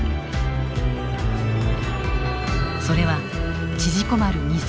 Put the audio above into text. それは縮こまる